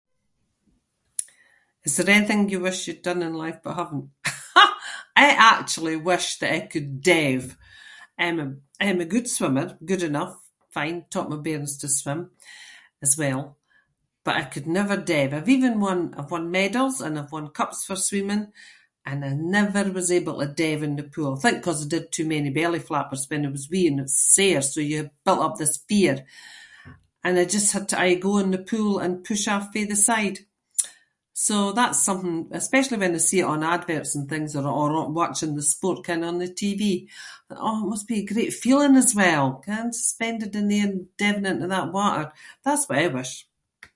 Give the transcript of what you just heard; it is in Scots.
Is there anything that you wish you’d done in life but haven’t? I actually wish that I could dive. I’m a- I'm a good swimmer- good enough, fine- taught my bairns to swim as well, but I could never dive. I’ve even won- I’ve won medals and I’ve won cups for swimming and I never was able to dive in the pool. I think ‘cause I did too many belly flappers when I was wee and it’s sore so you built up this fear and I just have to aie go in the pool and push off fae the side. So that’s something- especially when I see it on adverts and things or- on- watching the sport, ken, on the TV- oh it must be a great feeling as well! Ken, spending a day and diving into that water? That’s what I wish.